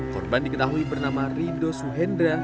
korban diketahui bernama rido suhendra